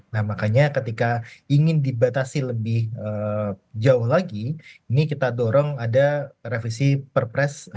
nah makanya ketika ingin dibatasi lebih jauh lagi ini kita dorong ada revisi perpres